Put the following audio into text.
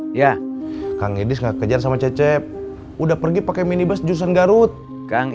hai ya kang idris gak kejar sama cecep udah pergi pakai minibus jurusan garut kang